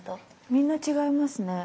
みんな違いますね。